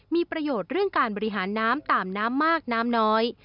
มีประโยชน์เรื่องการบริหารน้ำตามน้ำมากน้ำน้อย